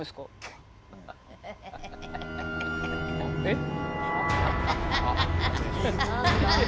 えっ。